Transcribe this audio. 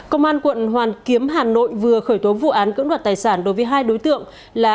công an quận hoàn kiếm hà nội vừa khởi tố vụ án cưỡng đoạt tài sản đối với hai đối tượng là